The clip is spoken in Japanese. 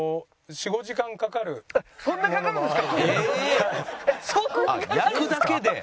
４５時間かかりますか。